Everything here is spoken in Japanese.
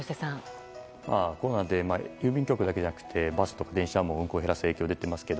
コロナで郵便局だけじゃなくて電車とかバスも運行を減らす影響が出てますよね。